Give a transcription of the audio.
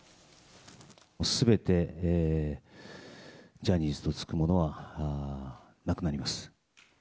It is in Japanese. すべてジャニーズとつくものはなくなります。